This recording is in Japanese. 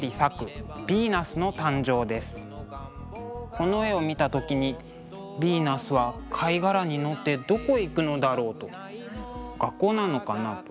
この絵を見た時にヴィーナスは貝殻に乗ってどこへ行くのだろう？と学校なのかな？と。